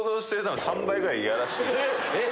えっ！